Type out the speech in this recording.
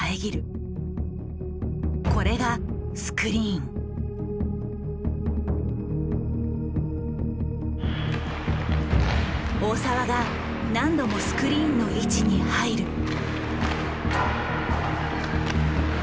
これが大澤が何度もスクリーンの位置に入る。